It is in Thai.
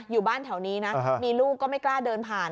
อยู่บ้านแถวนี้นะมีลูกก็ไม่กล้าเดินผ่าน